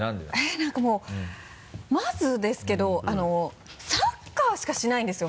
何かもうまずですけどサッカーしかしないんですよ